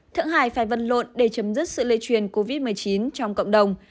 thượng hải phải vân lộn để chấm dứt sự lây truyền covid một mươi chín trong cộng đồng